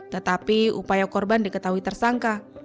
tetapi upaya korban diketahui tersangka